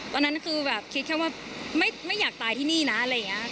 ตอนนั้นคือแบบคิดแค่ว่าไม่อยากตายที่นี่นะอะไรอย่างนี้